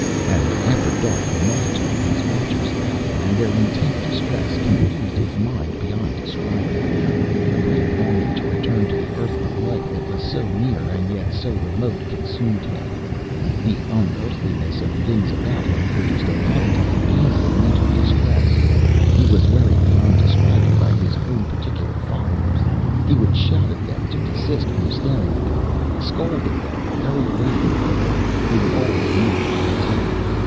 And after dark the multitude of these Watchers about him, and their intent distress, confused his mind beyond describing. A great longing to return to the earthly life that was so near and yet so remote consumed him. The unearthliness of things about him produced a positively painful mental distress. He was worried beyond describing by his own particular followers. He would shout at them to desist from staring at him, scold at them, hurry away from them. They were always mute and intent.